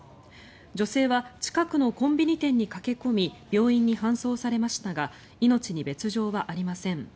女性は近くのコンビニ店に駆け込み病院に搬送されましたが命に別条はありません。